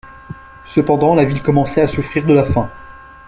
Cependant la ville commençait à souffrir de la faim.